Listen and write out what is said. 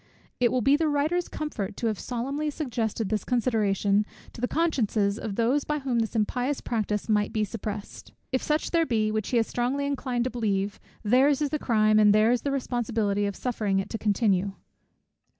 It will be the writer's comfort to have solemnly suggested this consideration, to the consciences of those by whom this impious practice might be suppressed: If such there be, which he is strongly inclined to believe, their's is the crime, and their's the responsibility of suffering it to continue.